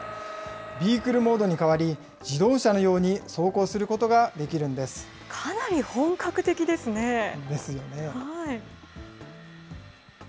ビークルモードに変わり、自動車のように走行することができるんです。ですよね。